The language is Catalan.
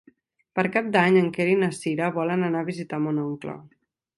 Per Cap d'Any en Quer i na Cira volen anar a visitar mon oncle.